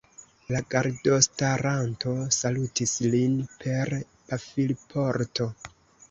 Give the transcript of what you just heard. La gardostaranto salutis lin per pafilporto.